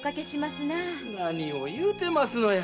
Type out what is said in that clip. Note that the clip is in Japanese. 何を言うてますのや。